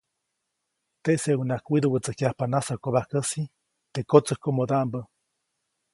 Teʼseʼuŋnaʼajk widuʼwätsäjkya nasakobajkäsi teʼ kotsäjkomodaʼmbä.